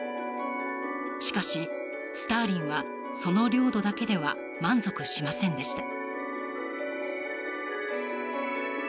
しかし、スターリンはその領土だけでは満足しませんでした。